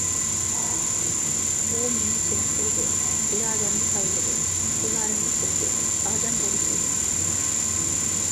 ئۇ مېنى چېنىقتۇردى، ئىرادەمنى تاۋلىدى، ئىقتىدارىمنى سىنىدى، ئادەم بولۇشنى ئۆگەتتى.